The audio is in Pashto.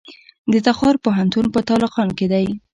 د تخار پوهنتون په تالقان کې دی